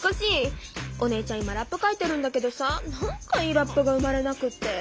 お姉ちゃん今ラップ書いてるんだけどさなんかいいラップが生まれなくって。